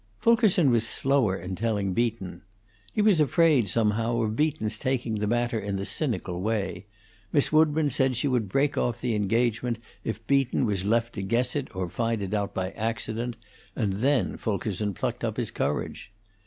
Fulkerson was slower in telling Beaton. He was afraid, somehow, of Beaton's taking the matter in the cynical way; Miss Woodburn said she would break off the engagement if Beaton was left to guess it or find it out by accident, and then Fulkerson plucked up his courage.